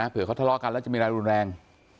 เผื่อเขาทะเลาะกันแล้วจะมีอะไรรุนแรง